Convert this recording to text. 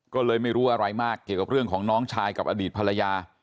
ก็เลยไม่รู้อะไรมากเกี่ยวกับเรื่องของน้องชายกับอดีตภรรยา